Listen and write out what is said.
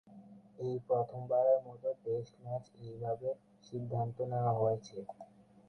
এই প্রথমবারের মত টেস্ট ম্যাচ এইভাবে সিদ্ধান্ত নেওয়া হয়েছে।